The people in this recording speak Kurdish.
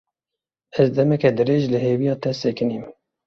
Ez demeke dirêj li hêviya te sekinîm.